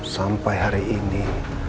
sampai hari ini